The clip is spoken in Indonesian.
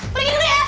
pergi dulu ya